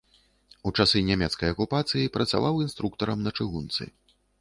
У часы нямецкай акупацыі працаваў інструктарам на чыгунцы.